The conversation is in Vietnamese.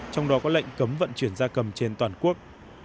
trong đó có lệnh cấm vận chuyển da cầm trên toàn quốc